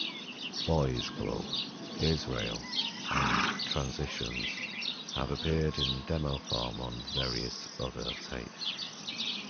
"Boys Club", "Israel" and "Transitions" have appeared in demo form on various other tapes.